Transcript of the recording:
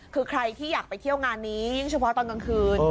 คือใครที่อยากไปเที่ยวงานนี้ยิ่งเฉพาะตอนกลางคืน